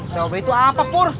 tob itu apa pur